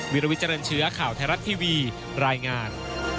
วิลวิเจริญเชื้อข่าวไทยรัฐทีวีรายงาน